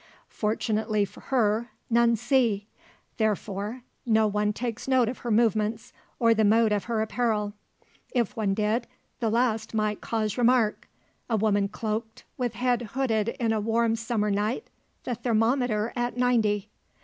Fortunately for her, none see; therefore no one takes note of her movements, or the mode of her apparel. If one did, the last might cause remark. A woman cloaked, with head hooded in a warm summer night, the thermometer at ninety!